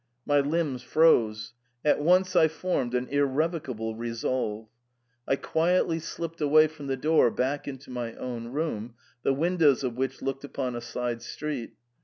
My limbs froze ; at once I formed an irrevocable resolve. I quietly slipped away from the door back into my own room, the windows of which looked upon a side street.